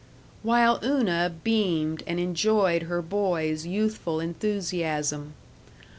While Una beamed and enjoyed her boy's youthful enthusiasm.